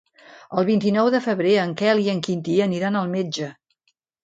El vint-i-nou de febrer en Quel i en Quintí aniran al metge.